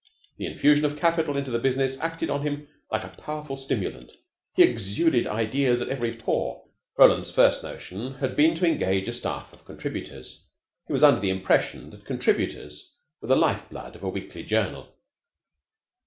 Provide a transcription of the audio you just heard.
The infusion of capital into the business acted on him like a powerful stimulant. He exuded ideas at every pore. Roland's first notion had been to engage a staff of contributors. He was under the impression that contributors were the life blood of a weekly journal.